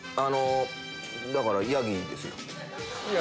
だからヤギですよ。